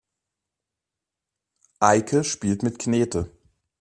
Eike spielt mit Knete.